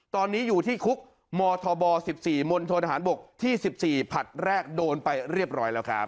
ตอนนี้อยู่ที่คุกมธบ๑๔มณฑนทหารบกที่๑๔ผลัดแรกโดนไปเรียบร้อยแล้วครับ